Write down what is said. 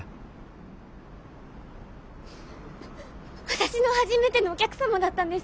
私の初めてのお客様だったんです。